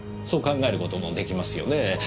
そう考える事もできますよねぇ。